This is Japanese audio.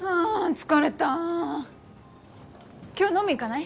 疲れた今日飲み行かない？